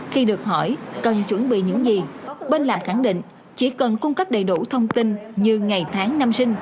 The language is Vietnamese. khi được hỏi cần chuẩn bị những gì bên làm khẳng định chỉ cần cung cấp đầy đủ thông tin như ngày tháng năm sinh